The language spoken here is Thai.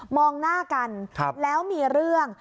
มองหน้ากันแล้วมีเรื่อง